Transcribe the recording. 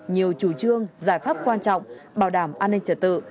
nhiều chủ trương giải pháp quan trọng bảo đảm an ninh trật tự